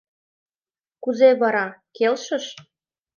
Кузе вара, келшыш?